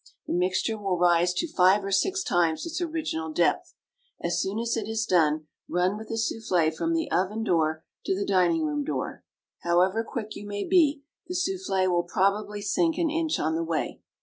The mixture will rise to five or six times its original depth. As soon as it is done, run with the souffle from the oven door to the dining room door. However quick you may be, the souffle will probably sink an inch on the way.